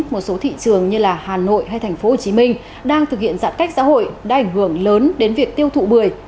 một số thị trường như hà nội hay tp hcm đang thực hiện giãn cách xã hội đã ảnh hưởng lớn đến việc tiêu thụ bưởi